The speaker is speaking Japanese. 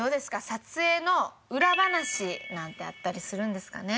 撮影の裏話なんてあったりするんですかね？